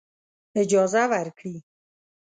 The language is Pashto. اجازه ورکړي.